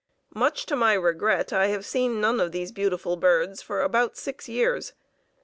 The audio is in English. Much to my regret I have seen none of the beautiful birds for about six years.